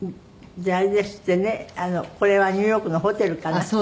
であれですってねこれはニューヨークのホテルかな？